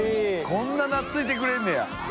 こんななついてくれるんや王林）